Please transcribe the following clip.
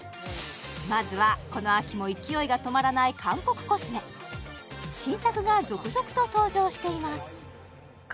まずはこの秋も勢いが止まらない韓国コスメ新作が続々と登場しています